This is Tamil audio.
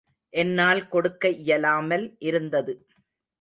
என்னால் கொடுக்க இயலாமல் இருந்தது.